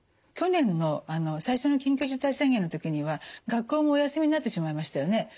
去年の最初の緊急事態宣言の時には学校もお休みになってしまいましたよね。